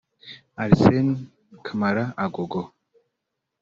Alseny Camara « Agogo »